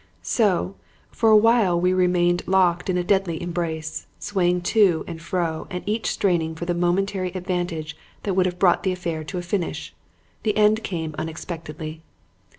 "So, for awhile we remained locked in a deadly embrace, swaying to and fro, and each straining for the momentary advantage that would have brought the affair to a finish. The end came unexpectedly.